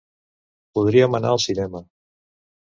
Podríem anar al cinema.